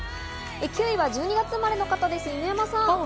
９位は１２月生まれの方、犬山さん。